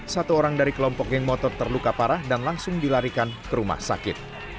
satu orang dari kelompok geng motor terluka parah dan langsung dilarikan ke rumah sakit